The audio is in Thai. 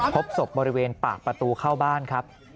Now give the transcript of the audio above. พบศพบริเวณปากประตูเข้าบ้านครับ